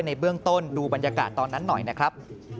ในเบื้องต้นดูบรรยากาศตอนนั้นหน่อยนะครับ